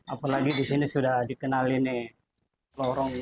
apalagi di sini sudah dikenali nih lorongnya ini